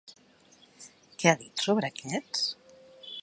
Què ha dit sobre aquests?